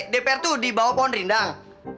dpr itu di bawah pohon rindang